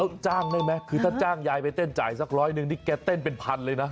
แล้วจ้างได้ไหมคือถ้าจ้างยายไปเต้นจ่ายสักร้อยหนึ่งนี่แกเต้นเป็นพันเลยนะ